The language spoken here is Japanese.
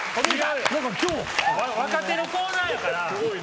若手のコーナーやから。